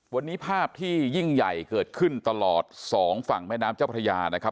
วันนี้ภาพที่ยิ่งใหญ่เกิดขึ้นตลอดสองฝั่งแม่น้ำเจ้าพระยานะครับ